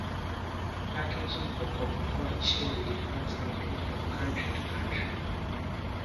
Packaging for Coca-Cola Cherry differs greatly from country to country.